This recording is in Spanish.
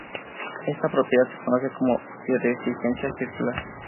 Esta propiedad se conoce como birrefringencia circular.